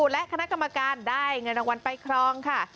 และคณะกรรมการได้เงินรางวัลไปครองค่ะ